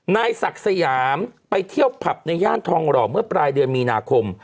นายศักดิ์สยามไปเที่ยวผับในย่านทองหล่อเมื่อปลายเดือนมีนาคม